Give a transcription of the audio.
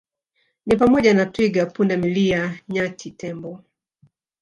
ni pamoja na twiga pundamilia nyati tembo